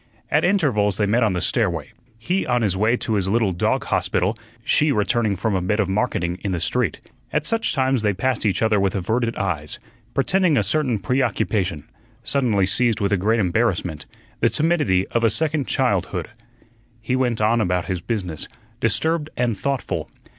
At intervals they met on the stairway; he on his way to his little dog hospital, she returning from a bit of marketing in the street. At such times they passed each other with averted eyes, pretending a certain preoccupation, suddenly seized with a great embarrassment, the timidity of a second childhood. He went on about his business, disturbed and thoughtful.